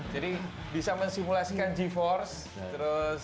jadi bisa mensimulasikan geforce